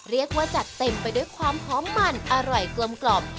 เรียกว่าจัดเต็มไปด้วยความหอมมันอร่อยกลม